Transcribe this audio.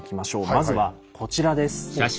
まずはこちらです。